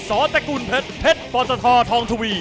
สอแตกุลเผ็ดเผ็ดปอตธาทองทวี